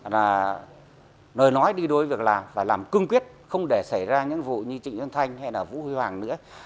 là nơi nói đi đối với việc làm và làm cung quyết không để xảy ra những vụ như trịnh dân thanh hay là vũ huy hoàng nữa